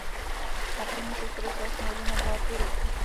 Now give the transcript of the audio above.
Martin Hašek podepsal smlouvu na dva a půl roku.